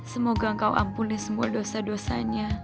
semoga engkau ampuni semua dosa dosanya